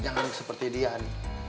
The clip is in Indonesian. jangan seperti dia nih